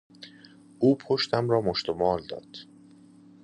او پشتم را مشت و مال داد.